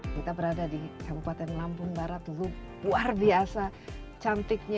kita berada di kabupaten lampung barat luar biasa cantiknya